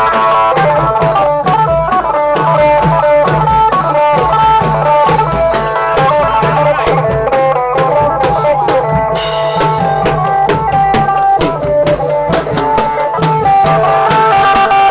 เพื่อรับความรับทราบของคุณ